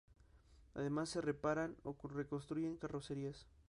Además se reparan o reconstruyen carrocerías.